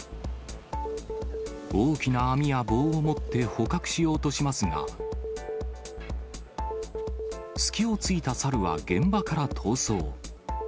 大きな網や棒を持って捕獲しようとしますが、隙をついたサルは現場から逃走。